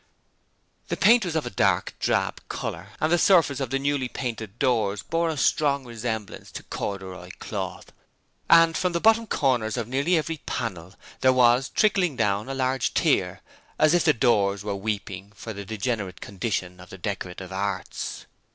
The paint was of a dark drab colour and the surface of the newly painted doors bore a strong resemblance to corduroy cloth, and from the bottom corners of nearly every panel there was trickling down a large tear, as if the doors were weeping for the degenerate condition of the decorative arts.